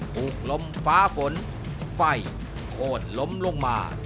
ลมฟ้าฝนไฟโค้นล้มลงมา